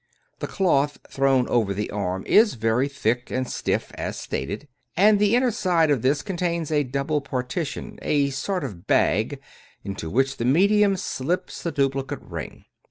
The cloth thrown over the arms is very thick and stiff, as stated, and the inner side of this contains a double partition, or sort of bag, into which the medium slips the duplicate ring.